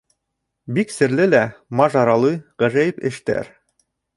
Бик серле лә, мажаралы, Ғәжәйеп эштәр